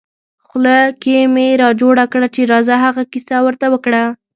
خوله کې مې را جوړه کړه چې راځه هغه کیسه ور ته وکړه.